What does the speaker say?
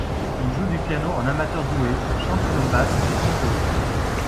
Il joue du piano en amateur doué, chante comme basse et compose.